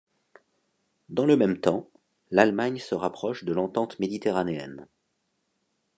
Dans le même temps, l'Allemagne se rapproche de l'entente méditerranéenne.